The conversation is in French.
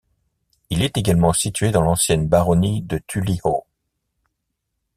Il est également situé dans l'ancienne baronnie de Tullyhaw.